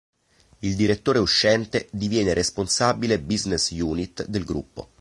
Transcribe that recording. Il direttore uscente diviene responsabile "Business Unit" del gruppo.